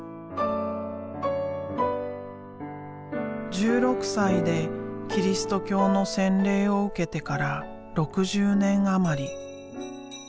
１６歳でキリスト教の洗礼を受けてから６０年余り。